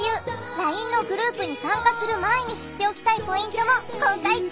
ＬＩＮＥのグループに参加する前に知っておきたいポイントも公開中